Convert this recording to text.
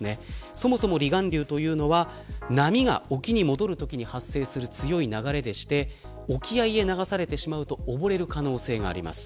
そもそも離岸流というのは波が沖に戻るときに発生する強い流れでして沖合へ流されてしまうと溺れる可能性があります。